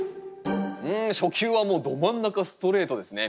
うん初球はもうど真ん中ストレートですね。